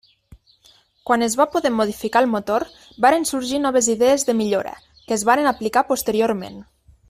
Quan es va poder modificar el motor varen sorgir noves idees de millora, que es varen aplicar posteriorment.